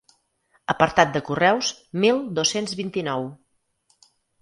Apartat de Correus mil dos-cents vint-i-nou.